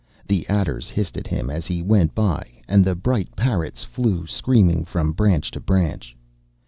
The adders hissed at him as he went by, and the bright parrots flew screaming from branch to branch.